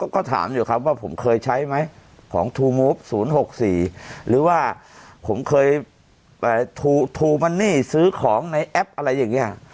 ก็ถามอยู่ครับว่าผมเคยใช้ไหมของทูมูฟ๐๖๔หรือว่าผมเคยทูมันนี่ซื้อของในแอปอะไรอย่างนี้